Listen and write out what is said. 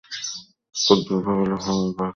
কুমুদ ভাবিল, হু, এবার মানিব্যাগ তোমার চুরি যাবে!